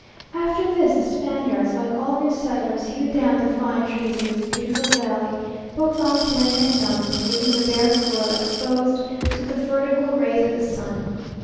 After this, the Spaniards, like all new settlers, hewed down the fine trees in this beautiful valley, both on plain and mountain, leaving the bare soil exposed to the vertical rays of the sun.